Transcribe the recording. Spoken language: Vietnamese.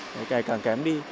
ngày càng kém đi